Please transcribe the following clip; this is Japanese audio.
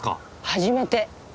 初めて。